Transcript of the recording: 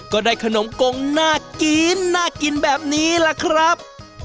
ก็ได้ขนมกงน่ากินน่ากินแบบนี้ล่ะครับ